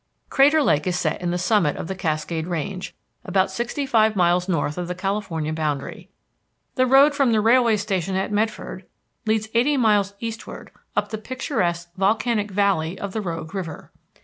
Crater Lake is set in the summit of the Cascade Range, about sixty five miles north of the California boundary. The road from the railway station at Medford leads eighty miles eastward up the picturesque volcanic valley of the Rogue River.